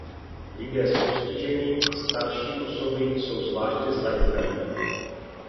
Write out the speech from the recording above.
Lidé s postižením a starší osoby jsou zvláště zranitelní.